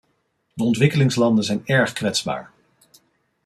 De ontwikkelingslanden zijn erg kwetsbaar.